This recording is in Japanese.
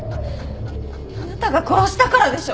あなたが殺したからでしょ！？